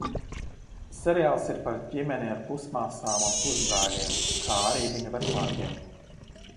Seriāls ir par ģimeni ar pusmāsām un pusbrāļiem, kā arī viņu vecākiem.